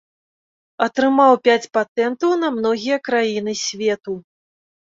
Атрымаў пяць патэнтаў на многія краіны свету.